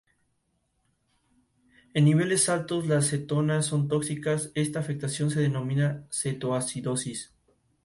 El avión tenía una nueva ala, sistemas de ventilación y calefacción mejorados.